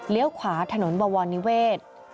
เรียวขวาถนนบวรนิเวศ